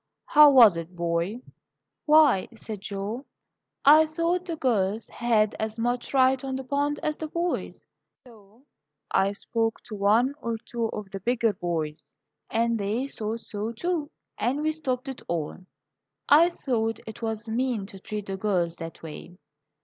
"How was it, boy?" "Why," said Joe, "I thought the girls had as much right on the pond as the boys, so I spoke to one or two of the bigger boys, and they thought so, too, and we stopped it all. I thought it was mean to treat the girls that way."